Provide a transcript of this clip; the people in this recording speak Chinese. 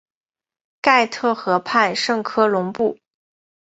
盖特河畔圣科隆布。